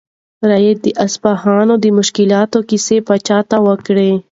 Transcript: رېدي د اصفهان د مشکلاتو کیسې پاچا ته وکړې.